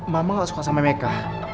mama gak suka sama mereka